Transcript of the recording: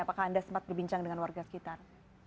apakah anda sempat berbincang dengan warga sekitar